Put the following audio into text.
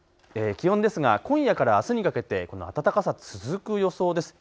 気温ですが今夜からあすにかけてこの暖かさ続く予想です。